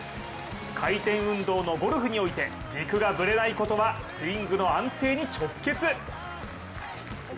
回転運動のゴルフにおいて軸がぶれないことはスイングの安定に直結。